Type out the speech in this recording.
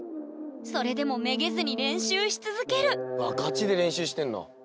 それでもめげずに練習し続けるわっガチで練習してんの。